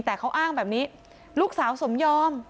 แต่เขาอ้างแบบนี้ลูกสาวสมยอม